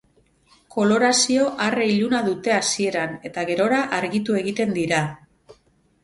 Kolorazio arre-iluna dute hasieran eta gerora argitu egiten dira.